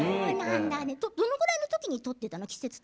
どのくらいの時に撮っていたの？